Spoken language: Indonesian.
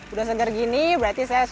udah seger gini berarti saya sudah selesai